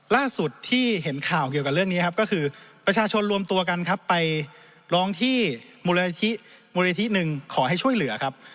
ล่าสุดที่เห็นข่าวเกี่ยวกับเรื่องนี้ครับก็คือประชาชนรวมตัวกันครับไปร้องที่มูลนิธิมูลนิธิหนึ่งขอให้ช่วยเหลือครับ